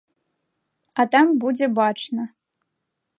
А там будзе бачна.